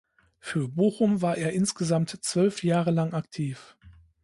Für Bochum war er insgesamt zwölf Jahre lang aktiv.